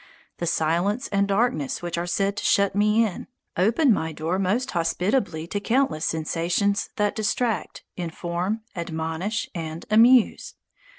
The silence and darkness which are said to shut me in, open my door most hospitably to countless sensations that distract, inform, admonish, and amuse.